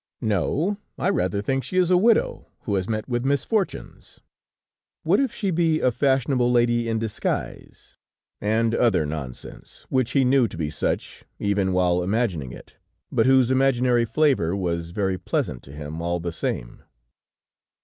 "No, I rather think she is a widow, who has met with misfortunes." "What if she be a fashionable lady in disguise!" And other nonsense, which he knew to be such, even while imagining it, but whose imaginary flavor was very pleasant to him, all the same.